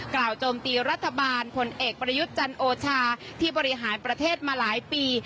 โจมตีรัฐบาลผลเอกประยุทธ์จันโอชาที่บริหารประเทศมาหลายปี